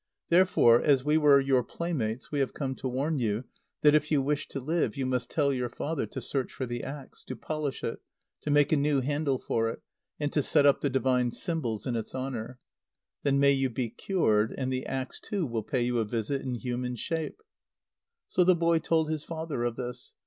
Therefore, as we were your playmates, we have come to warn you that, if you wish to live, you must tell your father to search for the axe, to polish it, to make a new handle for it, and to set up the divine symbols in its honour. Then may you be cured, and the axe too will pay you a visit in human shape." So the boy told his father of this.